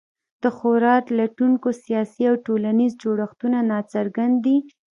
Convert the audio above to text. د خوراک لټونکو سیاسي او ټولنیز جوړښتونه ناڅرګند دي.